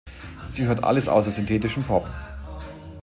Sie hört alles außer synthetischen Pop.